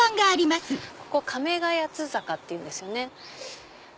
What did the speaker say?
ここ亀ヶ谷坂っていうんですよね。